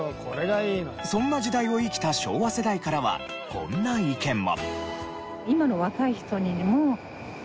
そんな時代を生きた昭和世代からはこんな意見も。